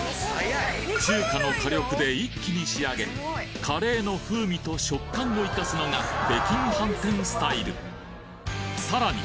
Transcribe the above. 中華の火力で一気に仕上げカレーの風味と食感をいかすのが北京飯店スタイルさらに！